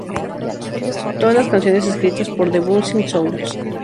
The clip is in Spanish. Todas las canciones escritas por The Bouncing Souls